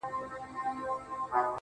ما ستا لپاره په خزان کي هم کرل گلونه.